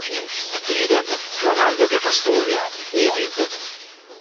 Idem, "Romanzo che fa storia", "Ibid.